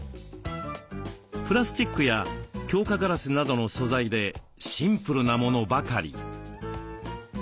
プラスチックや強化ガラスなどの素材でシンプルなものばかり。